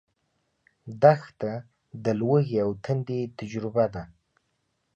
دښته د لوږې او تندې تجربه ده.